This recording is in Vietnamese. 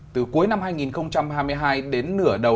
từ cuối năm hai nghìn hai mươi hai đến nửa đầu